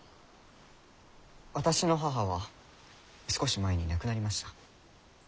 私の母は少し前に亡くなりました。